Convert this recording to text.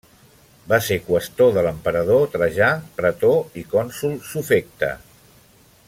Va ser qüestor de l'emperador Trajà, pretor i cònsol sufecte.